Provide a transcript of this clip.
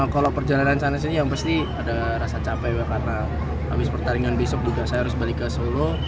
kalau perjalanan sana sini yang pasti ada rasa capek karena habis pertandingan besok juga saya harus balik ke solo